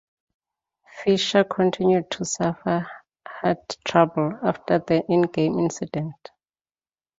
Fischer continued to suffer heart trouble after the in-game incident.